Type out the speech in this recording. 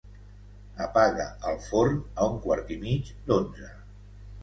Apaga el forn a un quart i mig d'onze.